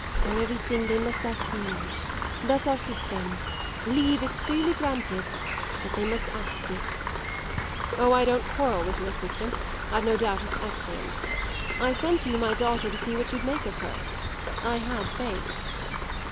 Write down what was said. "For everything they must ask leave. That's our system. Leave is freely granted, but they must ask it." "Oh, I don't quarrel with your system; I've no doubt it's excellent. I sent you my daughter to see what you'd make of her. I had faith."